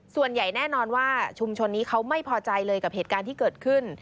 ส่วนใหญ่แน่นอนว่าชุมชนนี้เขาไม่พอใจเลยกับเหตุการณ์ที่เกิดขึ้น